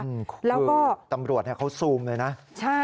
คือตำรวจเขาซูมเลยนะ